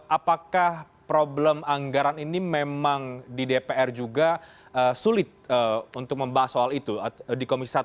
apakah problem anggaran ini memang di dpr juga sulit untuk membahas soal itu di komisi satu